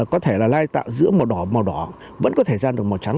có thể là lai tạo giữa màu đỏ và màu đỏ vẫn có thể ra được màu trắng